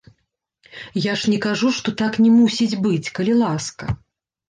Я ж не кажу, што так не мусіць быць, калі ласка.